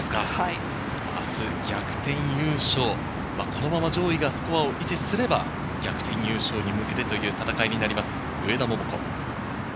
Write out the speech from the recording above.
明日、逆転優勝、このまま上位がスコアを維持すれば、逆転優勝に向けてという戦いになります、上田桃子。